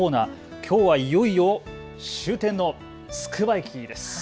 きょうは終点のつくば駅です。